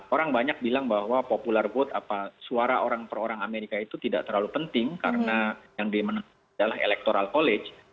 orang banyak bilang bahwa popular vote apa suara orang per orang amerika itu tidak terlalu penting karena yang dimenangkan adalah electoral college